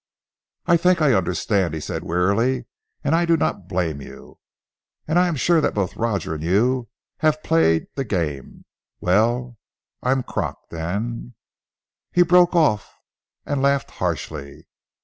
"I think I understand," he said wearily, "and I do not blame you. And I am sure that both Roger and you have played the game! Well, I'm crocked, and " He broke off and laughed harshly.